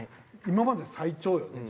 今までで最長よね。